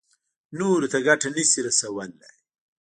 نورو ته ګټه نه شي رسولی.